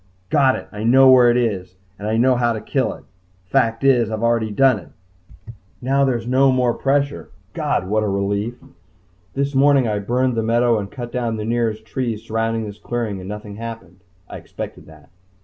Got it! I know where it is! And I know how to kill it. Fact is, I've already done it! Now there's no more pressure. God what a relief! This morning I burned the meadow and cut down the nearest trees surrounding this clearing and nothing happened. I expected that.